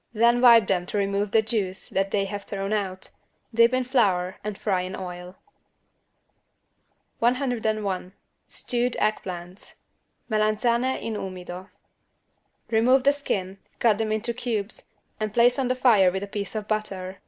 Then wipe them to remove the juice that they have thrown out, dip in flour and fry in oil. 101 STEWED EGG PLANTS (Melanzane in umido) Remove the skin, cut them into cubes and place on the fire with a piece of butter.